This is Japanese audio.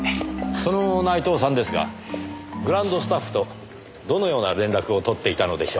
その内藤さんですがグランドスタッフとどのような連絡を取っていたのでしょう？